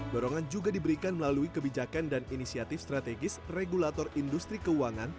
dorongan juga diberikan melalui kebijakan dan inisiatif strategis regulator industri keuangan